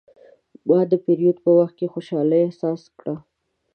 ما د پیرود په وخت خوشحالي احساس کړه.